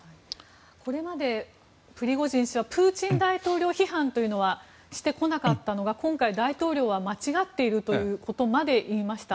これまでプリゴジン氏はプーチン大統領批判はしてこなかったのが今回大統領は間違っているということまで言いました。